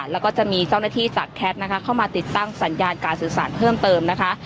แล้วก็จะมีเจ้าหน้าที่จากแคทนะคะเข้ามาติดตั้งสัญญาณการสื่อสารเพิ่มเติมนะคะ